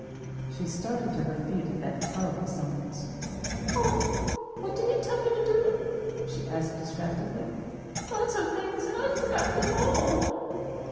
She started to her feet at that terrible summons. "Oh, what did he tell me to do?" she asked, distractedly. "Lots of things, and I've forgotten them all!"